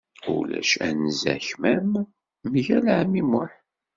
Ulac anza akmam mgal ɛemmi Muḥ.